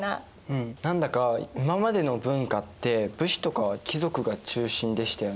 うん何だか今までの文化って武士とか貴族が中心でしたよね。